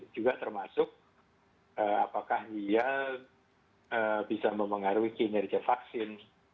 juga termasuk apakah dia bisa mempengaruhi kinerja vaksin